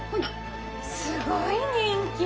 すごい人気。